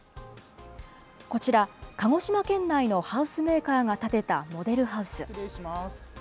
こちら、鹿児島県内のハウスメーカーが建てたモデルハウス。